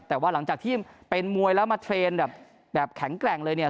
แต่ว่าหลังจากที่เป็นมวยแล้วมาเทรนด์แบบแข็งแกร่งเลยเนี่ย